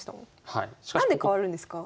何で変わるんですか？